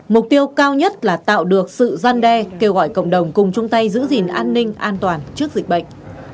mục tiêu cao nhất là tạo được sự gian đe kêu gọi cộng đồng cùng chung tay giữ gìn an ninh an toàn trước dịch bệnh